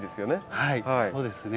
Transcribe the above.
はいそうですね。